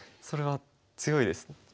それは強いですね。